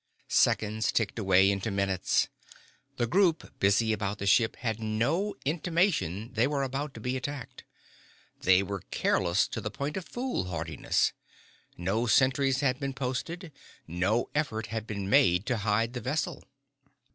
Seconds ticked away into minutes. The group busy about the ship had no intimation they were about to be attacked. They were careless to the point of foolhardiness. No sentries had been posted, no effort had been made to hide the vessel.